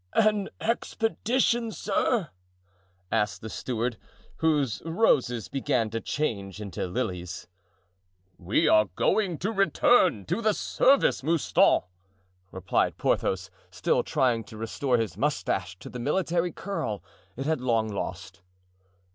"An expedition, sir?" asked the steward, whose roses began to change into lilies. "We are going to return to the service, Mouston," replied Porthos, still trying to restore his mustache to the military curl it had long lost.